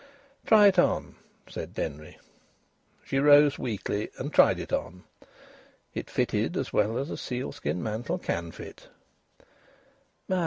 "Try it on," said Denry. She rose weakly and tried it on. It fitted as well as a sealskin mantle can fit.